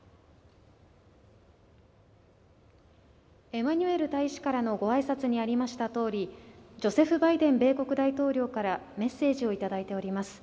エマニュエル大使からの御挨拶にありましたとおりジョセフ・バイデン米国大統領からメッセージをいただいております。